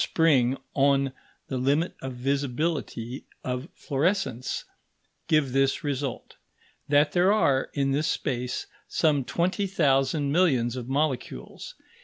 Spring on the limit of visibility of fluorescence), give this result: that there are, in this space, some twenty thousand millions of molecules.